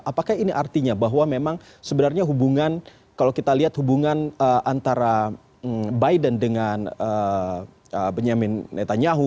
apakah ini artinya bahwa memang sebenarnya hubungan kalau kita lihat hubungan antara biden dengan benyamin netanyahu